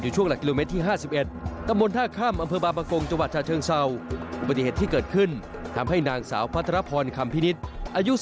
รถกระบะเลี้ยวซ้ายตัดหน้ากระทันชิดทำให้เบรกไม่ทัน